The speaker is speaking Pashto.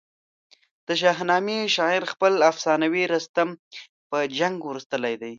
د شاهنامې شاعر خپل افسانوي رستم په جنګ وروستلی.